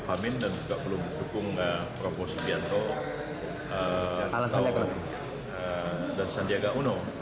dan juga belum dukung propos sampianto dan sandiaga uno